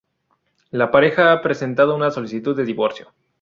La pareja ha presentado una solicitud de divorcio.